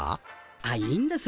あっいいんです。